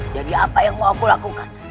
jadi apa yang mau aku lakukan